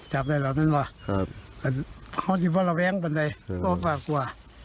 จับได้แล้วนั่นว่ะครับเขาที่พระแว้งบันไดก็ปลากลัว